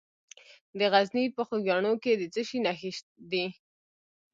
د غزني په خوږیاڼو کې د څه شي نښې دي؟